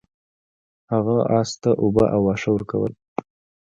هغه اس ته اوبه او واښه ورکول.